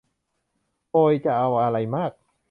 โอย จะเอาอะไรมาก